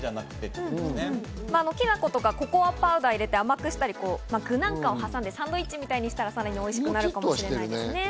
きな粉とかココアパウダーを入れて甘くしたり、具なんかを挟んでサンドイッチにしたら、さらにおいしくなるかもしれませんね。